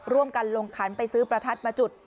ร่วมกันลงขันไปซื้อประทัดมาจุด